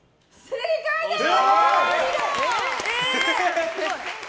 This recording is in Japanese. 正解です！